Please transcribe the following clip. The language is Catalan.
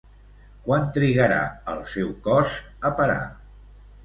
Quant trigarà el seu cos a parar?